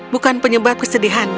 bukan penyebab kesedihanmu